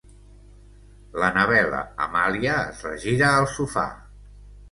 L'Anabela-Amália es regira al sofà.